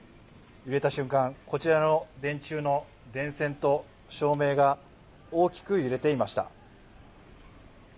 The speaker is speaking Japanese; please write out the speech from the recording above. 揺れた瞬間、こちらの電柱の電線と照明が大きく揺れていました。